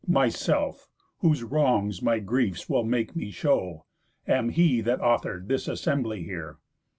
Myself, whose wrongs my griefs will make me show, Am he that author'd this assembly here.